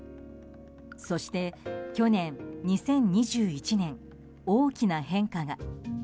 そして去年２０２１年大きな変化が。